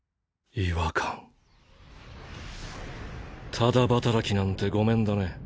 「タダ働きなんてごめんだね」